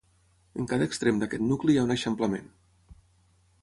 En cada extrem d'aquest nucli hi ha un eixamplament.